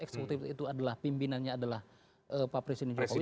eksekutif itu adalah pimpinannya adalah pak presiden jokowi